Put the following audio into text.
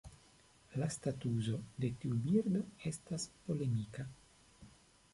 La statuso de tiu birdo estas polemika.